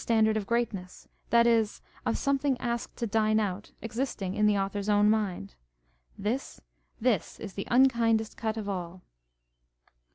standard of greatness, that is, of something asked to dine out, existing in the author's own mind. This, tliis is the uukindest cut of all.